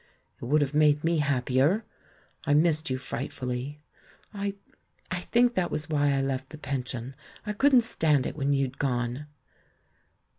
"It would have made me happier. I missed you frightfully. I — I think that was why I left the pension, I couldn't stand it when you'd gone.